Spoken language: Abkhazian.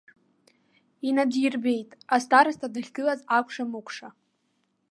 Инадирбеит, астароста дахьгылаз акәшамыкәша.